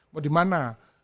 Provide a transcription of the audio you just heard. mau di mana